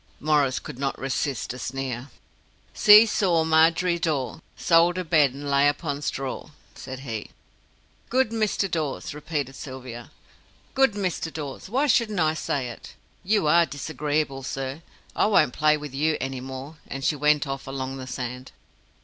Maurice could not resist a sneer. "See saw, Margery Daw, Sold her bed, and lay upon straw!" said he. "Good Mr. Dawes!" repeated Sylvia. "Good Mr. Dawes! Why shouldn't I say it? You are disagreeable, sir. I won't play with you any more," and she went off along the sand.